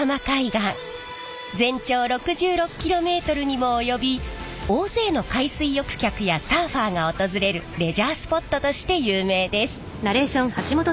全長６６キロメートルにも及び大勢の海水浴客やサーファーが訪れるレジャースポットとして有名です。